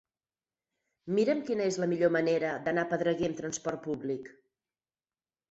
Mira'm quina és la millor manera d'anar a Pedreguer amb transport públic.